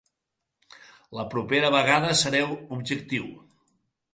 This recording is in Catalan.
La propera vegada sereu objectiu.